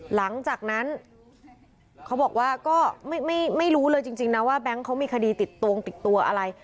หลังจากนั้นเขาบอกว่าก็ไม่รู้เลยจริงนะว่าแบงค์เขามีคดีติดตัวงติดตัวอะไร